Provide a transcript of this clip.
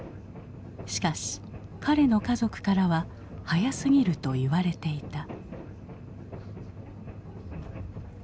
しかし彼の家族からは早すぎると言われていた。